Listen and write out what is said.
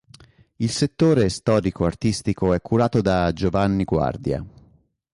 Il settore storico-artistico è curato da Giovanni Guardia.